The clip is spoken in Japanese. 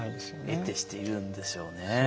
えてしているんでしょうね。